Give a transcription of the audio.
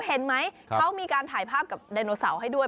เห็นไหมเขามีการถ่ายภาพกับไดโนเสาร์ให้ด้วย